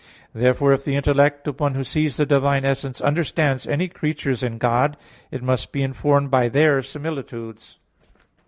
Therefore if the intellect of one who sees the Divine essence understands any creatures in God, it must be informed by their similitudes.